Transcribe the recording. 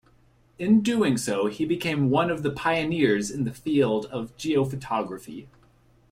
In so doing, he became one of the pioneers in the field of geophotography.